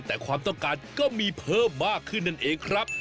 แต่ความต้องการก็มีเพิ่มมากขึ้นนั่นเองครับ